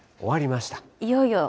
いよいよ。